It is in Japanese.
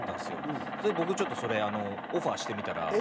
僕ちょっとそれオファーしてみたら。